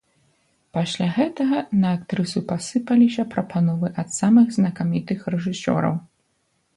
Пасля гэтага на актрысу пасыпаліся прапановы ад самых знакамітых рэжысёраў.